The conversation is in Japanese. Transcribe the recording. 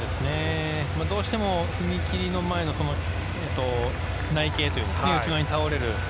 どうしても踏み切りの前の内傾というか内側に倒れる。